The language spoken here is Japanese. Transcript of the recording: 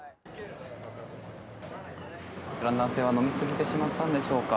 こちらの男性は飲みすぎてしまったんでしょうか